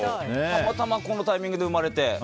たまたまこのタイミングで生まれて。